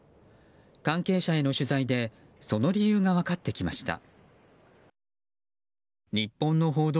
関係者への取材でその理由が分かってきました。